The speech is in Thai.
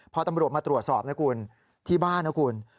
พอตำรวจมาตรวจสอบที่บ้าน